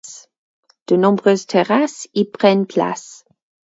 De nombreuses terrasses y prennent place.